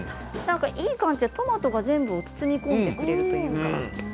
いい感じでトマトが全部を包み込んでいるという感じで。